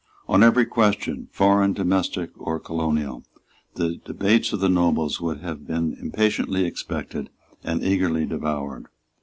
On every great question, foreign, domestic or colonial, the debates of the nobles would have been impatiently expected and eagerly devoured.